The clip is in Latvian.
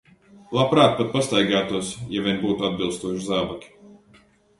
Labprāt pat pastaigātos, ja vien būtu atbilstoši zābaki.